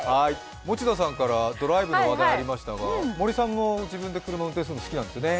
持田さんからドライブの話題がありましたが森さんも自分で車を運転するの好きなんですよね。